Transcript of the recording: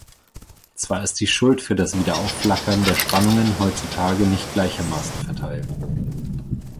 Zwar ist die Schuld für das Wiederaufflackern der Spannungen heutzutage nicht gleichermaßen verteilt.